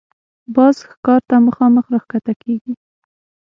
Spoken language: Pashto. باز ښکار ته مخامخ راښکته کېږي